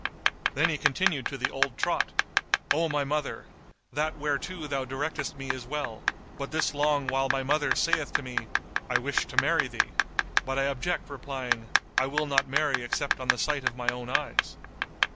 Then he continued to the old trot, "O my mother, that whereto thou directest me is well; but this long while my mother saith to me, 'I wish to marry thee,' but I object replying, 'I will not marry except on the sight of my own eyes.